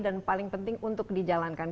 dan paling penting untuk dijalankan